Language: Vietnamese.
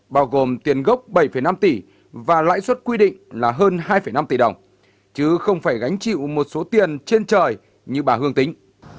bao gồm tiền gốc bảy năm tỷ và lãi suất quy định là hơn hai năm tỷ đồng chứ không phải gánh chịu một số tiền trên trời như bà hương tính